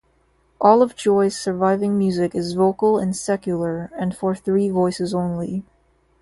All of Joye's surviving music is vocal and secular, and for three voices only.